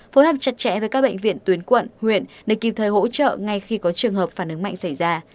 phối hợp chặt chẽ với các bệnh viện tuyến quận huyện để kịp thời hỗ trợ ngay khi có trường hợp phản ứng mạnh xảy ra